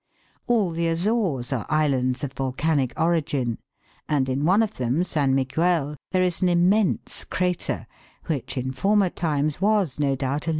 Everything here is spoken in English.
All the Azores are islands of volcanic .origin, and in one of them, San Miguel, there is an immense crater, which in former times was no doubt a.